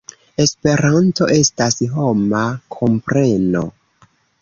Esperanto estas homa kompreno.